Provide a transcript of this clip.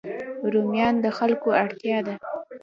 رومیان د خلکو اړتیا ده